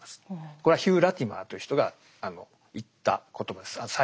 これはヒュー・ラティマーという人が言った言葉です最後に。